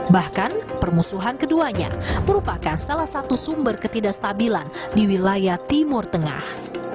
bahkan permusuhan keduanya merupakan salah satu sumber ketidakstabilan di wilayah timur tengah